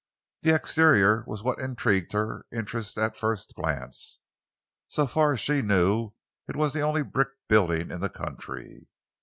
The exterior was what intrigued her interest at first glance. So far as she knew, it was the only brick building in the country.